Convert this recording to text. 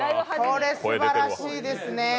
これすばらしいですね。